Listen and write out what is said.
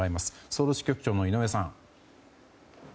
ソウル支局長の井上さん。